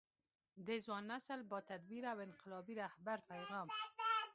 د ځوان نسل با تدبیره او انقلابي رهبر پیغام